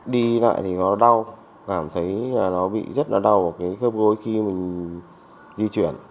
đi lại thì nó đau cảm thấy nó bị rất là đau ở cái khớp gối khi mình di chuyển